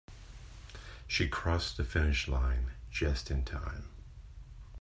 She crossed the finish line just in time.